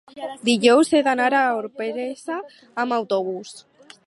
Dijous he d'anar a Orpesa amb autobús.